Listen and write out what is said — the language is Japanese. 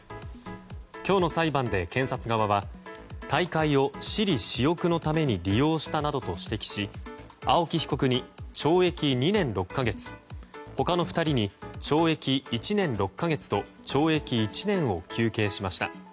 今日の裁判で、検察側は大会を私利私欲のために利用したなどと指摘し青木被告に懲役２年６か月他の２人に、懲役１年６か月と懲役１年を求刑しました。